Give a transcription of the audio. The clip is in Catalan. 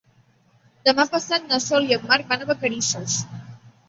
Demà passat na Sol i en Marc van a Vacarisses.